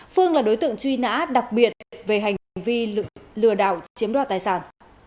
phương là đối tượng truy nã đặc biệt về hành vi lừa đảo chiếm đoạt tài sản